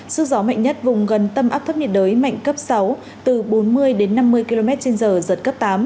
sức gió mạnh nhất vùng gần tâm áp thấp nhiệt đới mạnh cấp sáu từ bốn mươi đến năm mươi km trên giờ giật cấp tám